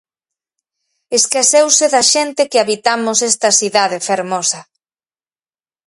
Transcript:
Esqueceuse da xente que habitamos esta cidade fermosa.